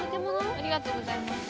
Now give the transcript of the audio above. ありがとうございます。